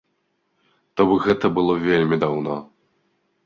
То бок, гэта было вельмі даўно.